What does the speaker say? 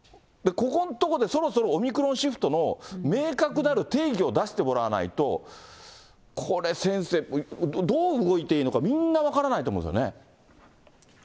ここんとこでそろそろオミクロンシフトの、明確なる定義を出してもらわないと、これ、先生、どう動いていいのか、みんな分からないと思うんですよね。